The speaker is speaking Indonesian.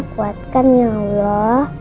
kuatkan ya allah